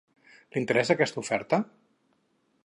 Li interessa aquesta oferta?